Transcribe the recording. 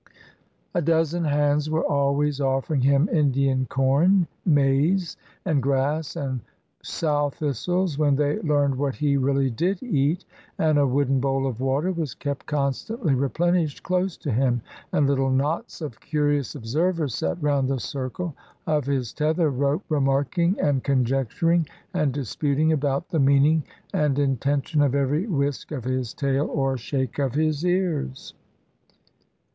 A dozen hands were always offering him Indian corn (maize) and grass, and sow thistles, when they learned what he really did eat; and a wooden bowl of water was kept constantly replenished close to him; and little knots of curious observers sat round the circle of his tether rope, remarking and conjecturing and disputing about the 497 ISLANDS OF THE PACIFIC meaning and intention of every whisk of his tail or shake of his ears."